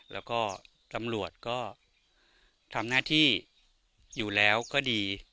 แล้วก็ตำรวจก็ทำหน้าที่อยู่แล้วก็ดี